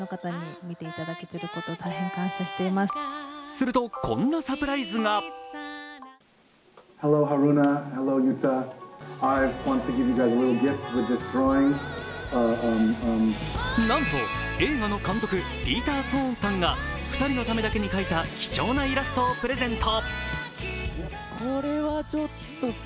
すると、こんなサプライズがなんと映画の監督ピーター・ソーンさんが２人のためだけに描いた貴重なイラストをプレゼント。